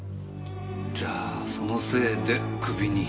じゃあそのせいでクビに？